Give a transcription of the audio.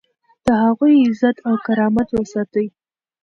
د هغوی عزت او کرامت وساتئ.